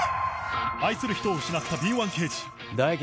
愛する人を失った敏腕刑事大樹